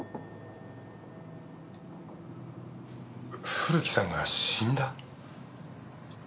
古木さんが死んだ？